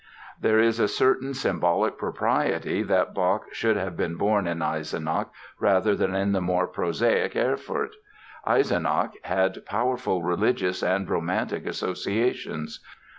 There is a certain symbolic propriety that Bach should have been born in Eisenach rather than in the more prosaic Erfurt. Eisenach had powerful religious and romantic associations.